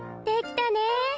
できたね。